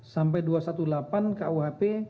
sampai dua ratus delapan belas kuhp